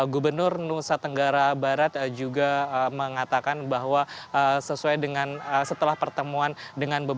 gubernur nusa tenggara barat juga mengatakan bahwa sesuai dengan setelah pertemuan dengan beberapa